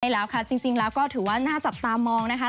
จริงแล้วก็ถือว่าน่าจับตามองนะคะ